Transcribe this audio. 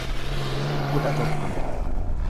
kudha tokko